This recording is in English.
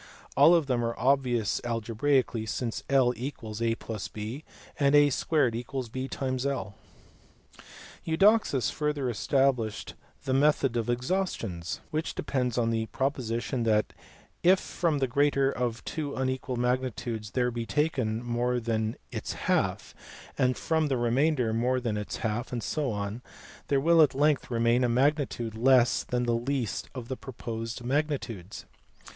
All of them are obvious algebraically, since l=a + b and a 2 = bl. Eudoxus further established the "method of exhaustions ;" which depends on the proposition that "if from the greater of two unequal magnitudes there be taken more than its half, and from the remainder more than its half, and so on, there will at length remain a magnitude less than the least of the proposed magnitudes."